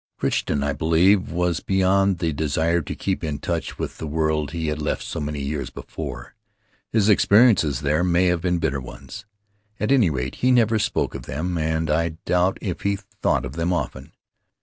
Crichton, I believe, was beyond the desire to keep in touch with the world he had left so many years before. His experiences there may have been bitter ones. At any rate, he never spoke of them, and I doubt if he thought of them often.